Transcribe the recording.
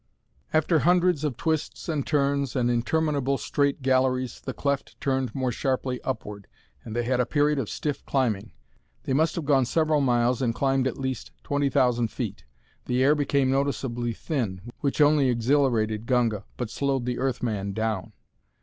After hundreds of twists and turns and interminable straight galleries the cleft turned more sharply upward, and they had a period of stiff climbing. They must have gone several miles and climbed at least 20,000 feet. The air became noticeably thin, which only exhilarated Gunga, but slowed the Earth man down.